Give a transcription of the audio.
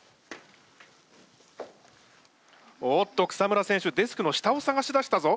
おっと草村選手デスクの下を探しだしたぞ。